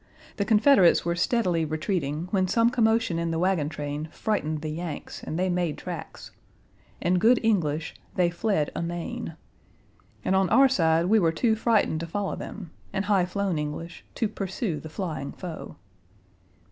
The Confederates were steadily retreating when some commotion in the wagon train frightened the "Yanks," and they made tracks. In good English, they fled amain. And on our side we were too frightened to follow them in high flown English, to pursue the flying foe.